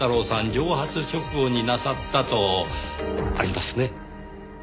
蒸発直後になさったとありますね？